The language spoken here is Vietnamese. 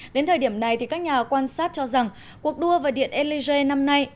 đến thời điểm này thì các nhà quan sát cho rằng cuộc đua về điện élysée năm nay